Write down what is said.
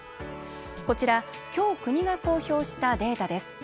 こちら、今日国が公表したデータです。